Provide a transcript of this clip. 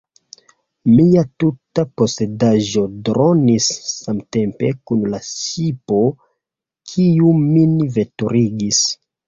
Mia tuta posedaĵo dronis samtempe kun la ŝipo, kiu min veturigis.